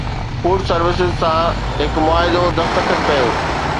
food services سان هڪ معاهدو دستخط ڪيو